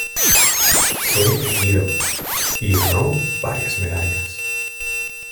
Fue herido y ganó varias medallas.